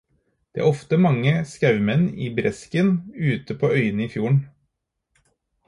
Det er ofte mange skaumenn i bresken ute på øyene i fjorden.